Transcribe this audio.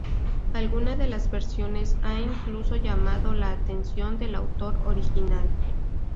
Alguna de las versiones ha incluso llamado la atención del autor original.